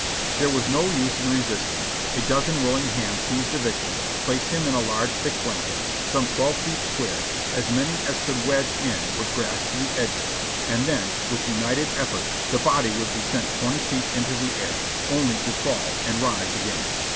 There was no use of resisting; a dozen willing hands seized the victim, placed him in a large, thick blanket, some twelve feet square; as many as could wedge in w^ould grasp the edges, and then with united effort the body would be sent twenty feet into the air, only to fall and rise again.